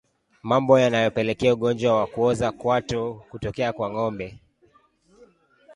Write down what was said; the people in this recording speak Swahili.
Mambo yanayopelekea ugonjwa wa kuoza kwato kutokea kwa ngombe